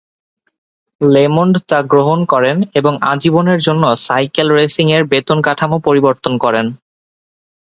লেমন্ড তা গ্রহণ করেন এবং আজীবনের জন্য সাইকেল রেসিং-এর বেতন কাঠামো পরিবর্তন করেন।